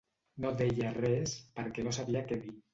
No deia res, perquè no sabia què dir